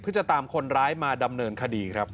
เพื่อจะตามคนร้ายมาดำเนินคดีครับ